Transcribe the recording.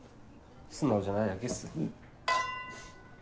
素直じゃないだけっす。